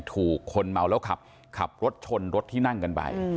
ถูกคนเมาแล้วขับขับรถชนรถที่นั่งกันไป